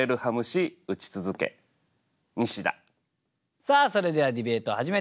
さあそれではディベートを始めてまいりましょう。